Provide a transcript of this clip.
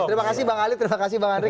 terima kasih bang ali terima kasih bang andre